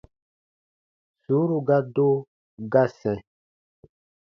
Sùuru ga do, ga sɛ̃.